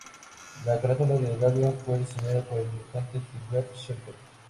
La carátula del álbum fue diseñada por el dibujante Gilbert Shelton.